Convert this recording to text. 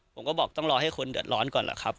ผมก็บอกต้องรอให้คนเดือดร้อนก่อนแหละครับ